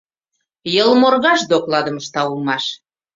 Йылморгаж докладым ышта улмаш!..